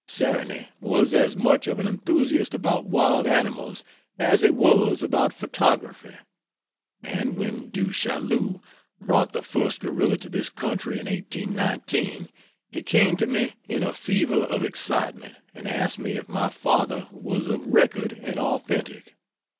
Sarony was as much of an enthusiast about wild animals as he was about photography; and when Du Chaillu brought the first Gorilla to this country in 1819 he came to me in a fever of excitement and asked me if my father was of record and authentic.